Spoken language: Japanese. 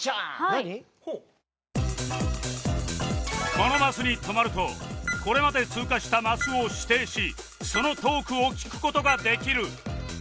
このマスに止まるとこれまで通過したマスを指定しそのトークを聞く事ができる